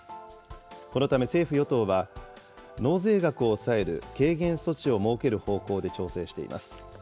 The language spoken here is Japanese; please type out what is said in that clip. このため政府・与党は、納税額を抑える軽減措置を設ける方向で調整しています。